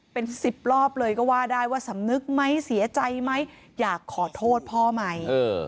เป็นสิบรอบเลยก็ว่าได้ว่าสำนึกไหมเสียใจไหมอยากขอโทษพ่อไหม